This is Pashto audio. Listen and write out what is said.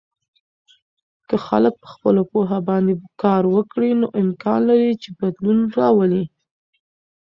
که خلک په خپلو پوهه باندې کار وکړي، نو امکان لري چې بدلون راولي.